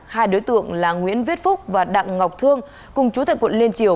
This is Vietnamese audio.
hai đối tượng là nguyễn viết phúc và đặng ngọc thương cùng chú tại quận liên triều